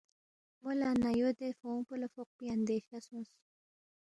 مو لہ نَیو دے فونگ پو لہ فوقپی اندیشہ سونگس